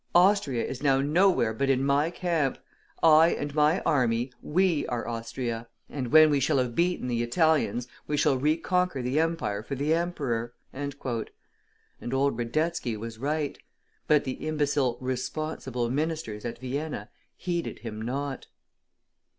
Austria is now nowhere but in my camp; I and my army, we are Austria; and when we shall have beaten the Italians we shall reconquer the Empire for the Emperor!" And old Radetzky was right but the imbecile "responsible" ministers at Vienna heeded him not.